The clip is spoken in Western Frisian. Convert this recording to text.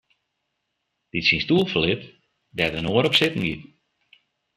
Dy't syn stoel ferlit, dêr't in oar op sitten giet.